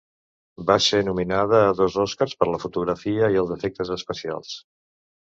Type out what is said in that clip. Va ser nominada a dos Oscars per la fotografia i els efectes especials.